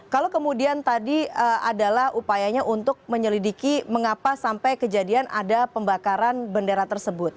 kalau kemudian tadi adalah upayanya untuk menyelidiki mengapa sampai kejadian ada pembakaran bendera tersebut